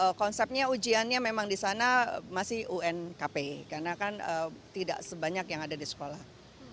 kalau konsepnya ujiannya memang di sana masih unkp karena kan tidak sebanyak yang ada di sekolah